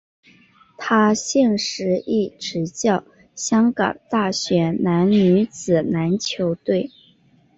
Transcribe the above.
他现时亦执教香港大学男女子篮球队。